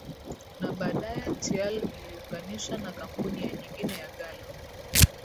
Na baadaye Teal iliunganishwa na Kampuni ya nyingine ya Gallo